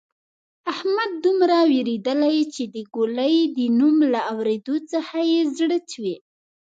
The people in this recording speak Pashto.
احمد دومره وېرېدلۍ چې د ګولۍ د نوم له اورېدو څخه یې زړه چوي.